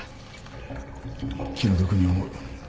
気の毒に思う。